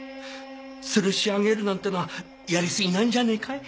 つるし上げるなんてのはやりすぎなんじゃねぇかい？